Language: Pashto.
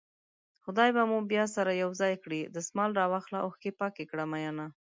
خدای به مو بيا سره يو ځای کړي دسمال راواخله اوښکې پاکې کړه مينه